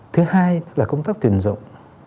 thứ hai là công tác tuyển dụng